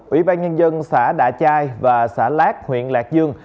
ủy ban nhân dân xã đạ chai và xã lát huyện lạc dương